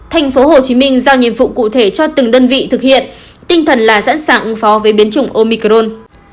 tp hcm giao nhiệm vụ cụ thể cho từng đơn vị thực hiện tinh thần là sẵn sàng ứng phó với biến chủng omicron